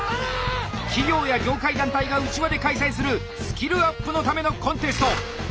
企業や業界団体が内輪で開催するスキルアップのためのコンテスト！